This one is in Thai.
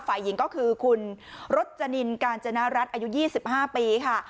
ฝ่ายหญิงก็คือคุณรจนินกาญจนรัฐอายุ๒๕ปีค่ะ